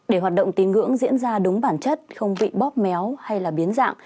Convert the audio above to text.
để hoạt động tín ngưỡng diễn ra đúng bản chất không bị bóp méo hay biến dạng